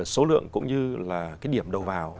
số lượng cũng như điểm đầu vào